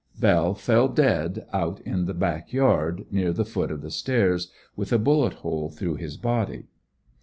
Bell fell dead out in the back yard, near the foot of the stairs, with a bullet hole through his body.